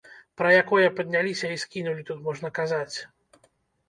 Пра якое падняліся і скінулі тут можна казаць?!